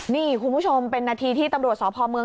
นี่คุณผู้ชมเป็นนาทีที่ตำรวจสพเมือง